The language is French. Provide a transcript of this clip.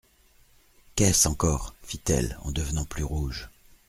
Qu'est-ce encore ! fit-elle, en devenant plus rouge.